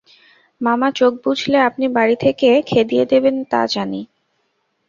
মামা চোখ বুজলে আপনি বাড়ি থেকে খেদিয়ে দেবেন তা জানি।